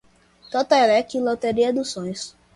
Totolec, loteria dos sonhos